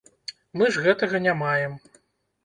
Мы ж гэтага не маем.